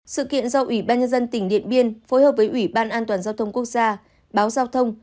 sự kiện do ủy ban nhân dân tỉnh điện biên phối hợp với ủy ban an toàn giao thông quốc gia báo giao thông